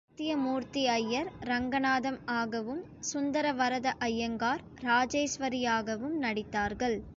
சத்யமூர்த்தி ஐயர் ரங்கநாதம் ஆகவும், சுந்தரவரத ஐயங்கார் ராஜேஸ்வரியாகவும் நடித்தார்கள்.